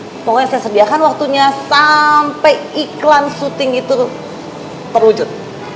pokoknya saya sediakan waktunya sampai iklan syuting itu terwujud